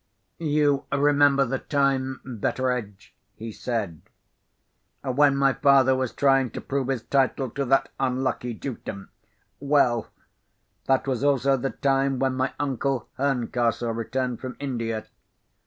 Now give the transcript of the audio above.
"You remember the time, Betteredge," he said, "when my father was trying to prove his title to that unlucky Dukedom? Well! that was also the time when my uncle Herncastle returned from India.